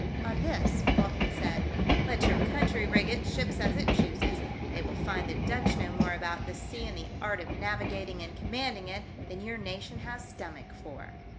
On this, Bothnia said, " Let your country rig its ships as it chooses, they will find the Dutch know more about the sea and the art of navigating and commanding it than your nation has stomach for."